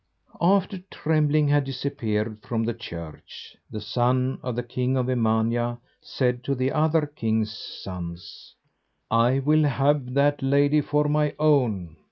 After Trembling had disappeared from the church, the son of the king of Emania said to the other kings' sons: "I will have that lady for my own."